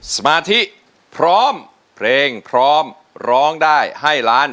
สมาธิพร้อมเพลงพร้อมร้องได้ให้ล้าน